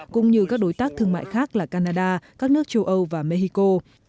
cũng như các đối tác thương mại khác là canada các nước châu âu và mexico